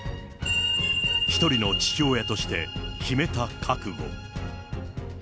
一人の父親として、決めた覚悟。